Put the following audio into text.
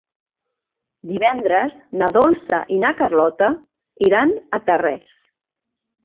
Divendres na Dolça i na Carlota iran a Tarrés.